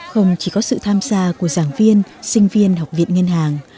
không chỉ có sự tham gia của giảng viên sinh viên học viện ngân hàng